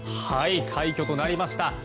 快挙となりました。